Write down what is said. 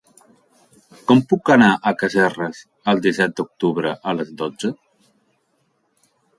Com puc anar a Casserres el disset d'octubre a les dotze?